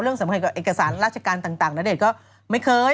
สำคัญกับเอกสารราชการต่างณเดชน์ก็ไม่เคย